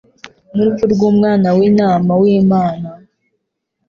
n'urupfu rw'Umwana w'intama w'Imana,